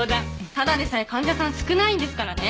ただでさえ患者さん少ないんですからね。